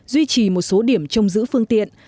duy trì một số điểm trong giữ phương tiện